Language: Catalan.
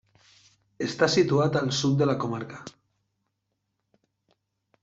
Està situat al sud de la comarca.